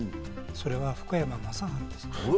それは福山雅治ですと。